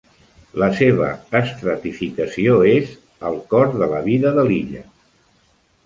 La seva estratificació és: "Al cor de la vida de l'illa".